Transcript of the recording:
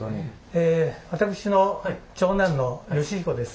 え私の長男の慶彦です。